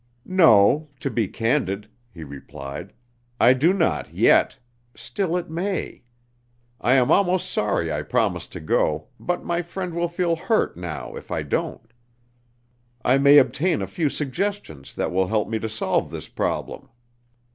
"No, to be candid," he replied, "I do not yet; still it may. I am almost sorry I promised to go, but my friend will feel hurt now if I don't. I may obtain a few suggestions that will help me to solve this problem."